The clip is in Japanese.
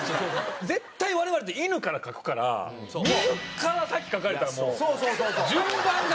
絶対我々って犬から描くから水から先描かれたらもう順番が。